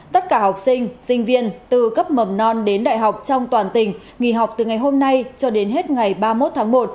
tất cả học sinh sinh viên từ cấp mầm non đến đại học trong toàn tỉnh nghỉ học từ ngày hôm nay cho đến hết ngày ba mươi một tháng một